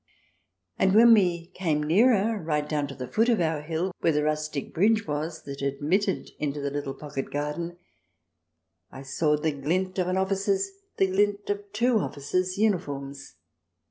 And when we came nearer, right down to the foot of our hill where the rustic bridge was that admitted into the little pocket garden, I saw the glint of an officer's — the glint of two officers* uniforms.